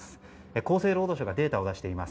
厚生労働省がデータを出しています。